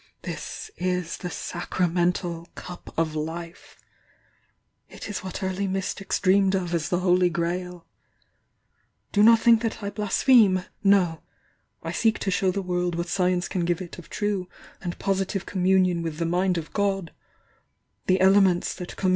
This IS the Sacramental Cup of Life' It la what early mystics dreamed of as the Holy Grail Do not think that I blaspheme ! no! I seek to show the world what Science can give it of true and positive communion with the mind of God' The «nT!.n*^*K f* *'°.